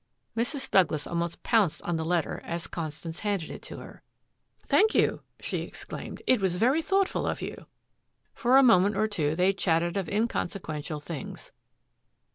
Mrs. Douglas almost pounced on the letter as Constance handed it to her. "Thank you," she exclaimed. "It was very thoughtful of you." For a moment or two they chatted of inconsequential things.